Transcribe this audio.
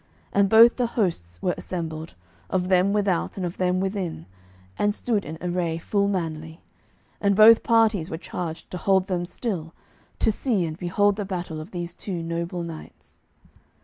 And both the hosts were assembled, of them without and of them within, and stood in array full manly. And both parties were charged to hold them still, to see and behold the battle of these two noble knights.